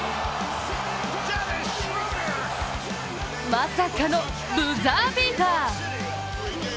まさかのブザービーター！